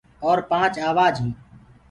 اور پآنچ آوآج هينٚ